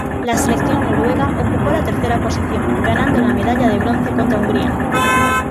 La selección noruega ocupó la tercera posición, ganando la medalla de bronce contra Hungría.